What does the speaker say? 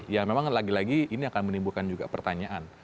ya memang lagi lagi ini akan menimbulkan juga pertanyaan